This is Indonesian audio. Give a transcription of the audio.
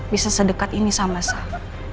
bisa sedekat ini sama saya